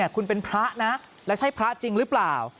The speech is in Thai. คุณเป็นพระนะแล้วใช่พระจริงหรือเปล่า